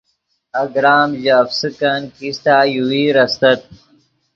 اگرام ژے افسکن کیستہ یوویر استت